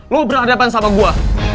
lu berhadapan sama gua